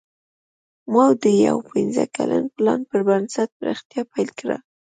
ماوو د یو پنځه کلن پلان پر بنسټ پراختیا پیل کړه.